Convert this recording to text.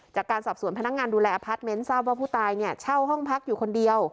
จากการสอบสวนพนักงานดูแลอพาร์ทเมนต์ทราบว่าผู้ตายเนี่ยเช่าห้องพักอยู่คนเดียว